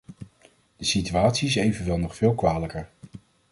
De situatie is evenwel nog veel kwalijker.